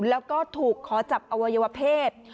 แล้วก็ถูกขอจับอวัยวเพศ